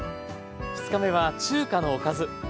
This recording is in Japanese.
２日目は中華のおかず。